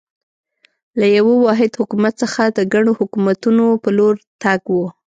له یوه واحد حکومت څخه د ګڼو حکومتونو په لور تګ و.